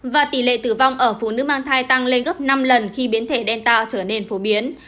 và tỷ lệ tử vong ở phụ nữ mang thai tăng lên gấp năm lần khi biến thể đen tạo trở nên phổ biến